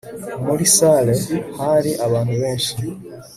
muri salle hari abantu benshi